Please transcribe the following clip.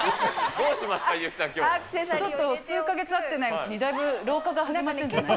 ちょっと数か月会っていないうちに、だいぶ老化が始まったんじゃない？